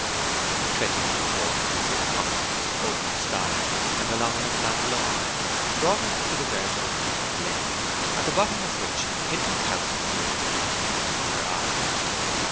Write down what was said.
Twenty minutes' walking through copses, over a stile, and along an upland lawn brought her to the verge of a deep glen, at the bottom of which Hintock House appeared immediately beneath her eye.